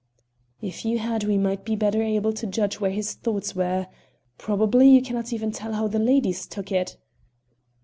"If you had we might be better able to judge where his thoughts were. Probably you can not even tell how the ladies took it?"